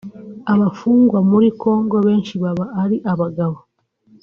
Abafungwa muri Congo benshi baba ari abagabo